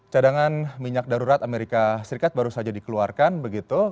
cadangan minyak darurat amerika serikat baru saja dikeluarkan begitu